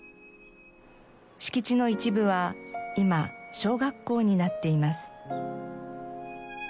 敷地の一部は今小学校になっています。